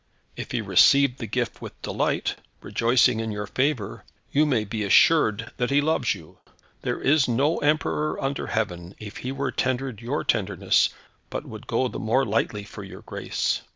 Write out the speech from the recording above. If he receive the gift with delight, rejoicing in your favour, you may be assured that he loves you. There is no Emperor, under Heaven, if he were tendered your tenderness, but would go the more lightly for your grace."